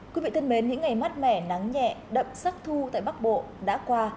quý vị thân mến những ngày mát mẻ nắng nhẹ đậm sắc thu tại bắc bộ đã qua